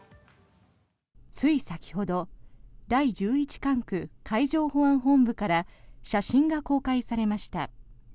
つい先ほど第十一管区海上保安本部から写真が公開されました。